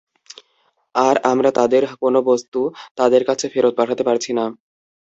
আর আমরা তাদের কোন বস্তু তাদের কাছে ফেরত পাঠাতে পারছি না।